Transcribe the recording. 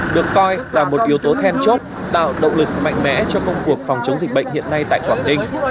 được coi là một yếu tố then chốt tạo động lực mạnh mẽ cho công cuộc phòng chống dịch bệnh hiện nay tại quảng ninh